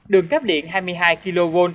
đường cáp điện hai mươi hai kv